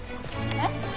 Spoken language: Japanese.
えっ？